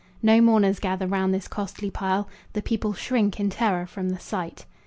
No mourners gather round this costly pile; The people shrink in terror from the sight.